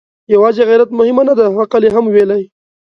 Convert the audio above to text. يواځې غيرت مهمه نه ده، عقل يې هم ويلی.